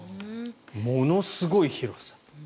ものすごい広さ。